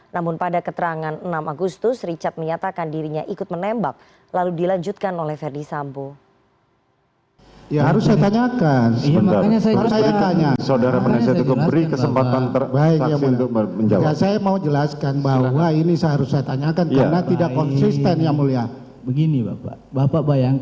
namun pada keterangan enam agustus richard menyatakan dirinya ikut menembak lalu dilanjutkan oleh fedi sabo